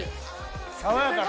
爽やかな。